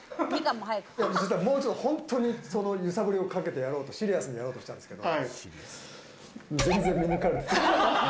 本当に揺さぶりをかけてやろうと、シリアスにやろうとしたんですけれど。